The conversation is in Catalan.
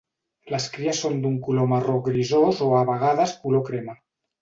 Les cries són d'un color marró grisós o a vegades color crema.